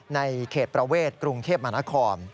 ในเขตประเวทกรุงเทพมหานคร